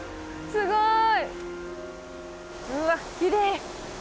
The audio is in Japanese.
すごい。